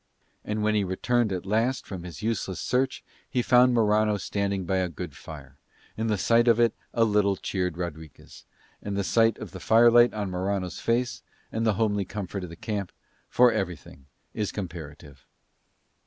And when he returned at last from his useless search he found Morano standing by a good fire, and the sight of it a little cheered Rodriguez, and the sight of the firelight on Morano's face, and the homely comfort of the camp, for everything is comparative.